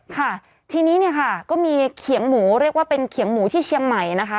ค่ะทีนี้เนี่ยค่ะก็มีเขียงหมูเรียกว่าเป็นเขียงหมูที่เชียงใหม่นะคะ